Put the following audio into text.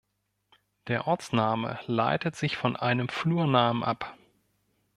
Der Ortsname leitet sich von einem Flurnamen ab.